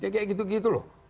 kayak gitu gitu loh